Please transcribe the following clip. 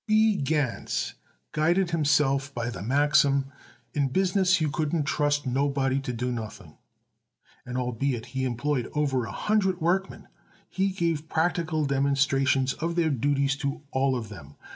B. Gans guided himself by the maxim: "In business you couldn't trust nobody to do nothing," and albeit he employed over a hundred workmen he gave practical demonstrations of their duties to all of them.